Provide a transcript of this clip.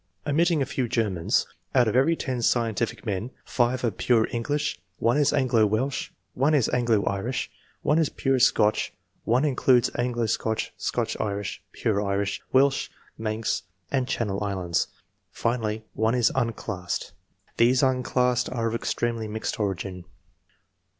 Omitting a few Germans, out of every 10 scientific men, 5 are pure English ; 1 is Anglo Welsh ; 1 is Anglo Irish ; 1 is pure Scotch ; 1 includes Anglo Scotch, Scotch Irish, pure Irish, Welsh, Manx and Channel Islands; finally, 1 is "unclassed." These un I.] ANTECEDENTS. 17 classed arc of extremely mixed origin.